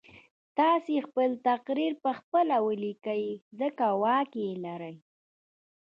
تاسې خپل تقدير پخپله ليکئ ځکه واک لرئ.